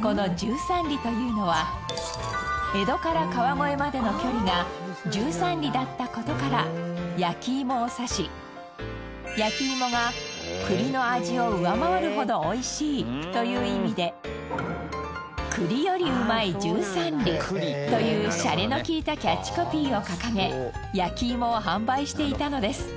この「十三里」というのは江戸から川越までの距離が十三里だった事から焼きいもを指し焼きいもが栗の味を上回るほどおいしいという意味で「栗よりうまい十三里」というシャレの利いたキャッチコピーを掲げ焼きいもを販売していたのです。